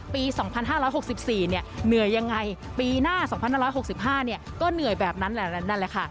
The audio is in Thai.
ปี๒๕๖๔เนี่ยเหนื่อยยังไงปีหน้า๒๕๖๕เนี่ยก็เหนื่อยแบบนั้นแหละค่ะ